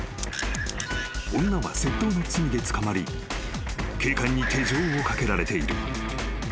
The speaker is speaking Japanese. ［女は窃盗の罪で捕まり警官に手錠を掛けられている］